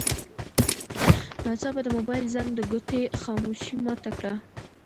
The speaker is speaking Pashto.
ناڅاپه د موبایل زنګ د کوټې خاموشي ماته کړه.